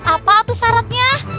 apa tuh syaratnya